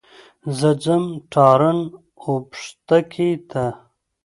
زه ځم تارڼ اوبښتکۍ ته.